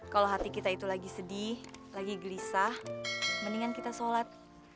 kalau hati kita itu lagi sedih lagi gelisah mendingan kita sholat